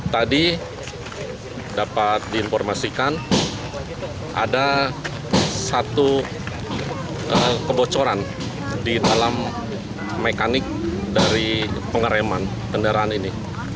tadi dapat diinformasikan ada satu kebocoran di dalam mekanik dari pengereman kendaraan ini